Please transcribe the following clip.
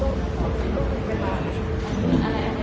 หลักหลายดูขึ้นหรือยังคะ